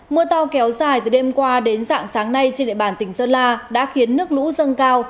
mưa to kéo dài từ đêm qua đến dạng sáng nay trên địa bàn tỉnh sơn la đã khiến nước lũ dâng cao